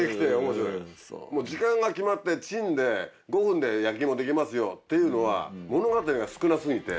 時間が決まってチンで５分で焼き芋出来ますよっていうのは物語が少な過ぎて。